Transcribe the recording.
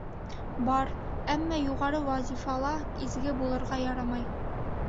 Бар, әммә юғары вазифала изге булырға ярамай!